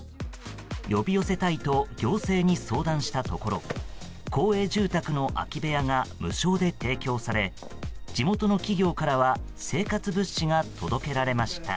呼び寄せたいと行政に相談したところ公営住宅の空き部屋が無償で提供され地元の企業からは生活物資が届けられました。